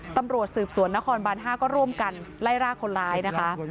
ตำรวจสืบสวนนครบาน๕ก็ร่วมกันไล่รากคนร้ายนะคะ